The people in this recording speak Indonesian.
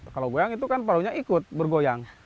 kalau goyang itu kan perahunya ikut bergoyang